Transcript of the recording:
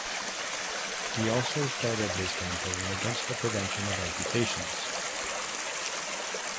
He also started his campaign against the prevention of amputations.